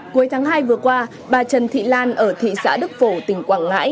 cuối tháng hai vừa qua bà trần thị lan ở thị xã đức phổ tỉnh quảng ngãi